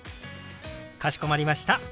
かしこまりました。